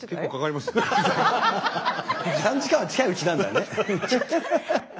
３時間は近いうちなんだよね。